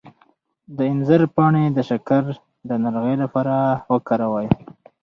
د انځر پاڼې د شکر د ناروغۍ لپاره وکاروئ